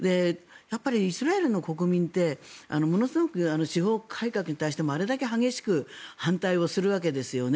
イスラエルの国民ってものすごく司法改革に対してもあれだけ激しく反対をするわけですよね。